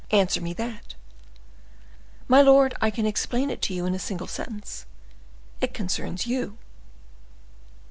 Answer me that." "My lord, I can explain it to you in a single sentence; it concerns you."